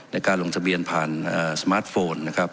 ในการลงทะเบียนผ่านสมาร์ทโฟนนะครับ